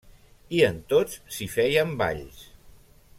I en tots s'hi feien balls.